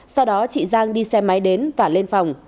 sau đó chị giang đi xe máy đến